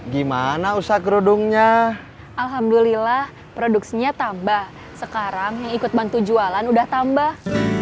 gimana usah kerudungnya alhamdulillah produksinya tambah sekarang ikut bantu jualan udah tambah